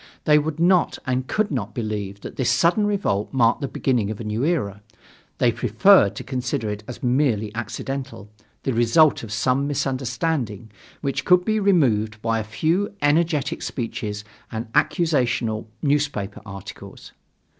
They would not and could not believe that this sudden revolt marked the beginning of a new era. They preferred to consider it as merely accidental, the result of some misunderstanding, which could be removed by a few energetic speeches and accusational newspaper articles.